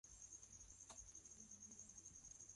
Inua mkono wako uchaguliwe na mwalimu